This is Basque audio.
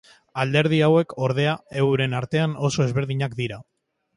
Alderdi hauek, ordea, euren artean oso ezberdinak dira.